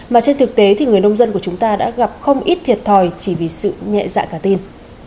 mà trên thực tế thì người nông dân của chúng ta đã gặp không ít thiệt thòi chỉ vì sự nhẹ dạ cả tin